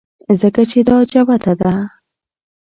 ځکه چې دا جوته ده